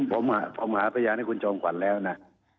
ผมหาพยานให้คุณจอมขวัญแล้วนะ